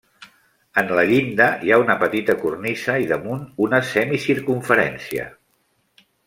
En la llinda hi ha una petita cornisa i damunt una semi circumferència.